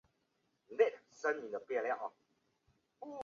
旁边的人在说买卖很好赚